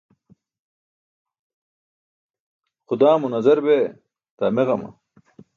Xudaa mo nazar bee, daa meġama.